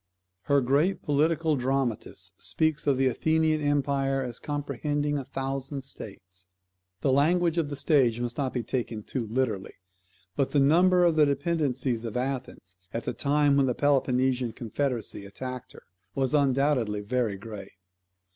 Her great political, dramatist speaks of the Athenian empire as comprehending a thousand states. The language of the stage must not be taken too literally; but the number of the dependencies of Athens, at the time when the Peloponnesian confederacy attacked her, was undoubtedly very great.